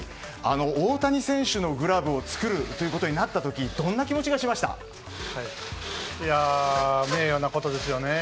大谷選手のグラブを作ることになった時名誉なことですよね。